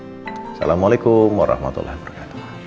assalamualaikum warahmatullahi wabarakatuh